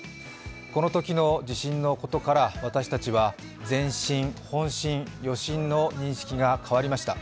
このときの地震のことから、私たちは前震、本震、余震の認識が変わりました。